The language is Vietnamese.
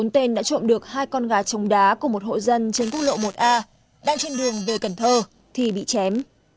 bốn tên đã trộm được hai con gà trống đá của một hộ dân trên quốc lộ một a đang trên đường về cần thơ thì bị chém